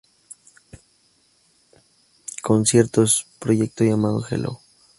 Conciertos proyecto llamado Hello!